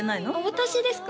私ですか？